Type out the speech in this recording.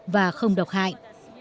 và không độc hại